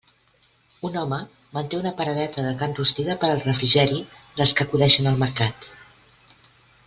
Un home manté una paradeta de carn rostida per al refrigeri dels que acudeixen al mercat.